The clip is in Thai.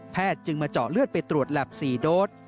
แพทย์จึงมาเจาะเลือดไปตรวจแหลป๔โดด